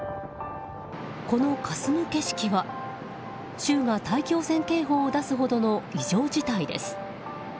このかすむ景色は州が大気汚染警報を出すほどの異常事態です。